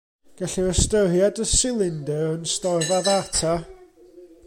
Gellir ystyried y silindr yn storfa ddata.